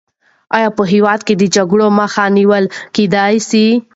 آیا په هېواد کې د جګړې مخه نیول کېدای سي؟